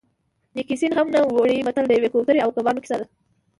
نیکي سین هم نه وړي متل د یوې کوترې او کبانو کیسه ده